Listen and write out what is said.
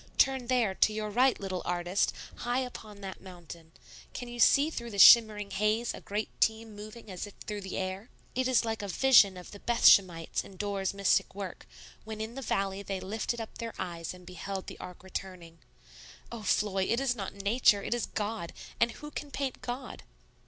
Turn there, to your right, little artist, high up on that mountain; can you see through the shimmering haze a great team moving as if through the air? It is like the vision of the Bethshemites in Dore's mystic work, when in the valley they lifted up their eyes and beheld the ark returning. Oh, Floy, it is not Nature; it is God. And who can paint God?"